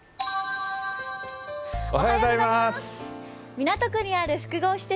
港区にある複合施設